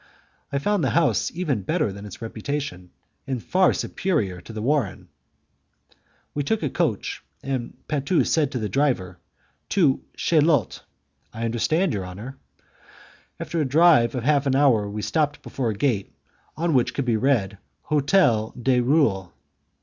I found the house even better than its reputation, and by far superior to the warren. We took a coach, and Patu said to the driver, "To Chaillot." "I understand, your honour." After a drive of half an hour, we stopped before a gate on which could be read, "Hotel du Roule."